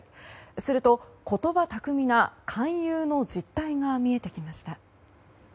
すると、言葉巧みな勧誘の実態が見えてきました。